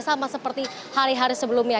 sama seperti hari hari sebelumnya